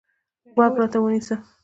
غوږ راته ونیسه.